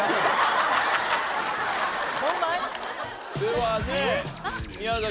ではね宮崎さん。